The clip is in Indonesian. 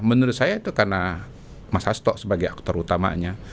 menurut saya itu karena mas hasto sebagai aktor utamanya